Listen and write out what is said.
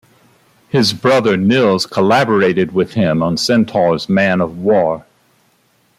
His brother Nils collaborated with him on Centaur's Man of War.